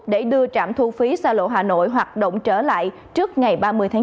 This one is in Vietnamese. để đưa trạm thu phí xa lộ hà nội hoạt động trở lại trước ngày ba mươi tháng bốn